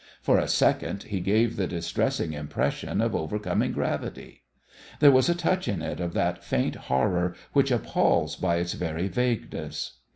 For a second he gave the distressing impression of overcoming gravity. There was a touch in it of that faint horror which appals by its very vagueness.